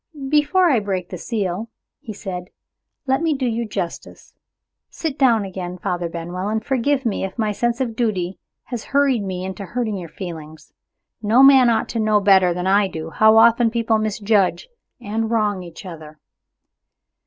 "Before I break the seal," he said, "let me do you justice. Sit down again, Father Benwell, and forgive me if my sense of duty has hurried me into hurting your feelings. No man ought to know better than I do how often people misjudge and wrong each other."